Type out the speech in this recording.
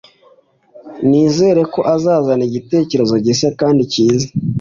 Nizere ko azazana igitekerezo gishya kandi cyiza.